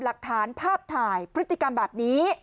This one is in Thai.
หลักฐานภาพถ่ายพฤติกรรมแบบนี้